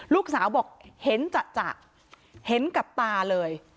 ลูกสาวบอกเห็นจะเห็นกับตาเลย